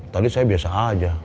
tadi saya biasa aja